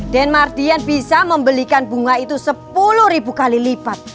dan mardian bisa membelikan bunga itu sepuluh ribu kali lipat